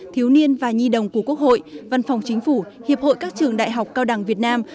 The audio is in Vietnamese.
thiếu niên và nhi đồng của quốc hội văn phòng chính phủ hiệp hội các trường đại học cao đẳng việt nam